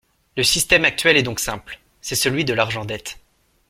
Le système actuel est donc simple: c’est celui de l’argent-dette.